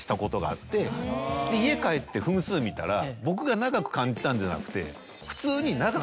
家帰って分数見たら僕が長く感じたんじゃなくて。